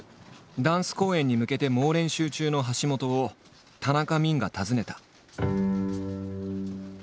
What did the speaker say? ダンス公演に向けて猛練習中の橋本を田中泯が訪ねた。